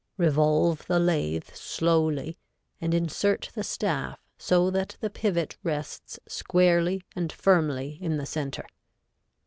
Revolve the lathe slowly and insert the staff so that the pivot rests squarely and firmly in the center.